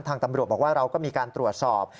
ทางตำรวจบอกว่าเราก็มีการตรวจสอบ